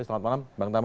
selamat malam bang tama